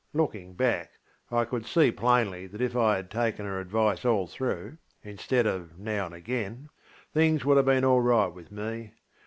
Looking back, I could see plainly that if I had taken her advice all through, instead of now and again, things would have been all right with me.